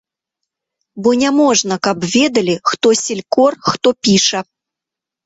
Бо няможна, каб ведалі, хто селькор, хто піша.